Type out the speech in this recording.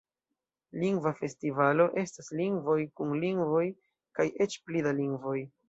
Lingva Festivalo estas lingvoj, kun lingvoj, kaj eĉ pli da lingvoj.